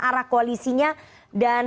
arah koalisinya dan